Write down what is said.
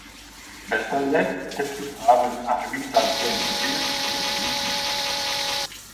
Bestalde, testu zaharren argitalpen berriak ere egin zituen.